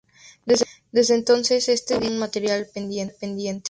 Desde entonces, este disco fue una materia pendiente.